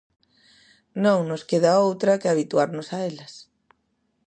Non nos queda outra que habituarnos a elas.